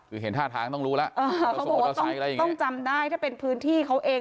คือเห็นท่าทางต้องรู้แล้วต้องจำได้ถ้าเป็นพื้นที่เขาเอง